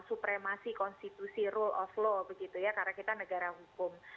supremasi konstitusi rule of law begitu ya karena kita negara hukum